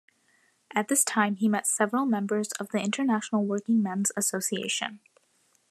At this time he met several members of the International Workingmen's Association.